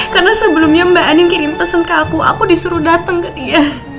karena sebelumnya mbak anin kirim pesan ke aku aku disuruh datang ke dia